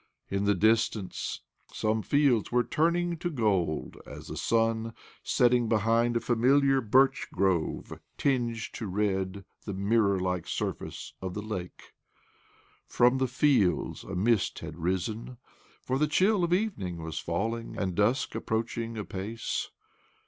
In the distance some fields were turning' to gold as the sun, setting behind a familiar birch grove, tinged to red the mirror like surface of the lake. ^From the fields a mist had risen, for thie chill of evening was falling', and dusk approaching apace.